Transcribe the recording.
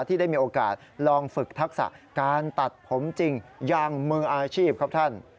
ที่ได้มีโอกาสลองฝึกทักษะการตัดผมจริงอย่างมืออาชีพครับท่าน